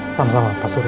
sama sama pak surya